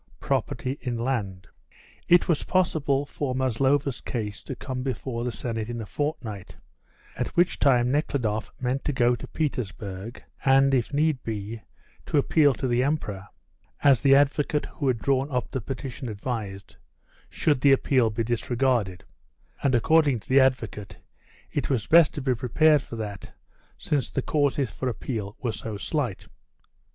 PROPERTY IN LAND. It was possible for Maslova's case to come before the Senate in a fortnight, at which time Nekhludoff meant to go to Petersburg, and, if need be, to appeal to the Emperor (as the advocate who had drawn up the petition advised) should the appeal be disregarded (and, according to the advocate, it was best to be prepared for that, since the causes for appeal were so slight).